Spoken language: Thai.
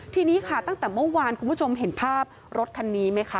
ทีนี้ค่ะตั้งแต่เมื่อวานคุณผู้ชมเห็นภาพรถคันนี้ไหมคะ